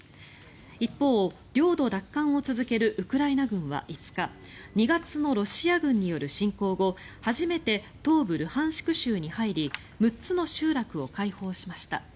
一方、領土奪還を続けるウクライナ軍は５日２月のロシア軍による侵攻後初めて東部ルハンシク州に入り６つの集落を解放しました。